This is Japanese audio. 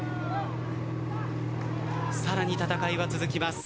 さらに戦いは続きます。